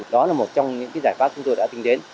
đó là một trong những giải pháp chúng tôi đã tính đến